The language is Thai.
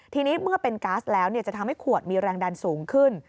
ทีนี้เมื่อเป็นก๊าซแล้วจะทำให้ขวดมีแรงดันสูงขึ้น